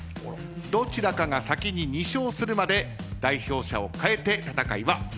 どちらかが先に２勝するまで代表者をかえて戦いは続きます。